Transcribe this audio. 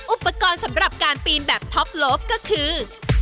อุปกรณ์สำหรับการปีนแบบท็อปโลฟก็คือ